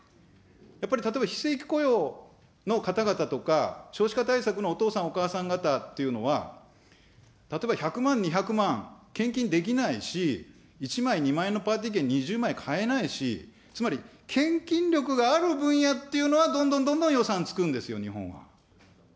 やっぱり例えば非正規雇用の方々とか、少子化対策のお父さん、お母さん方っていうのは、例えば１００万、２００万、献金できないし、１枚２０万円のパーティー券、２０枚買えないし、つまり献金力がある分野っていうのは、どんどんどんどん予算つくんですよ、日本は。